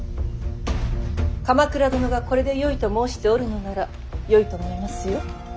鎌倉殿がこれでよいと申しておるのならよいと思いますよ。